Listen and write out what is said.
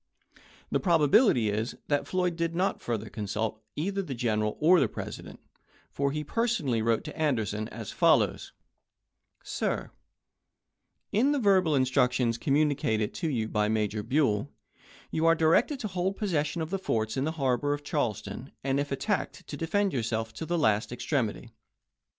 "1 The probability is, that Floyd did not further consult either the General or the President, for he personally wrote to Anderson as follows : Sir: In the verbal instructions communicated to you by Major Buell, you are directed to hold possession of the forts in the harbor of Charleston, and if attacked to defend yourself to the last extremity.